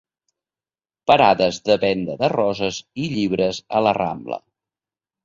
Parades de venda de roses i llibres a la Rambla.